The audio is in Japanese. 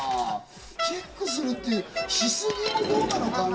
チェックするっていう、しすぎも、どうなのかな？